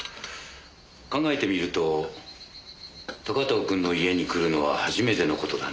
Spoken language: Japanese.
考えてみると高塔君の家に来るのは初めての事だね。